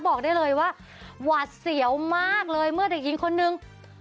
บอกได้เลยว่าหวาดเสียวมากเลยเมื่อเด็กหญิงคนนึง